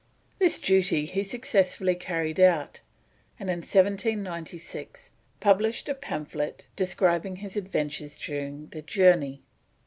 This duty he successfully carried out, and in 1796 published a pamphlet describing his adventures during the journey.